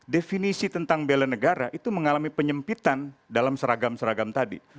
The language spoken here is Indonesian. definisi tentang bela negara itu mengalami penyempitan dalam seragam seragam tadi